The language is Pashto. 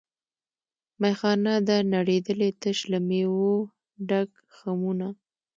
میخانه ده نړېدلې تش له میو ډک خُمونه